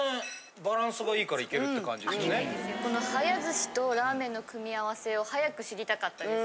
この早ずしとラーメンの組み合わせを早く知りたかったです。